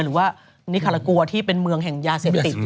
หรือว่านิคารากัวที่เป็นเมืองแห่งยาเสพติด